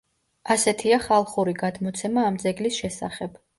ასეთია ხალხური გადმოცემა ამ ძეგლის შესახებ.